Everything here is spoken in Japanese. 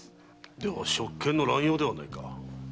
では職権の濫用ではないか。